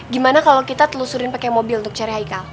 gimana kalau kita telusurin pakai mobil untuk cari hikal